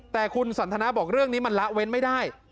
แต่คุณสันทนาบอกเรื่องนี้มันละเว้นไม่ได้